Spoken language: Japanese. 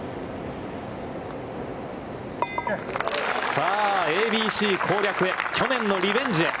さあ、ＡＢＣ攻略へ、去年のリベンジへ。